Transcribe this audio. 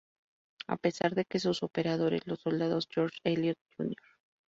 A pesar de que sus operadores, los soldados George Elliot Jr.